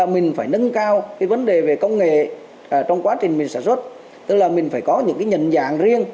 mình phải nâng cao vấn đề về công nghệ trong quá trình sản xuất tức là mình phải có những nhận dạng riêng